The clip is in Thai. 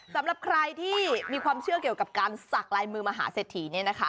สำหรับใครที่มีความเชื่อเกี่ยวกับการสักลายมือมหาเศรษฐีเนี่ยนะคะ